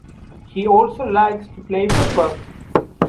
He also likes to play football.